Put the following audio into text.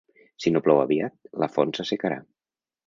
Si no plou aviat, la font s'assecarà.